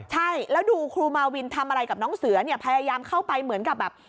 ใช่แล้วดูครูมาวินทำอะไรกับน้องเสือเนี่ยพยายามเข้าไปเหมือนกับแบบ